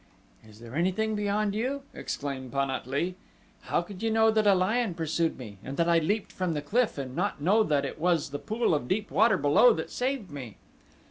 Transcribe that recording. "Is there anything beyond you?" exclaimed Pan at lee. "How could you know that a lion pursued me and that I leaped from the cliff and not know that it was the pool of deep water below that saved me?"